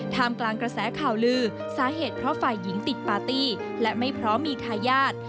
มกลางกระแสข่าวลือสาเหตุเพราะฝ่ายหญิงติดปาร์ตี้และไม่พร้อมมีทายาท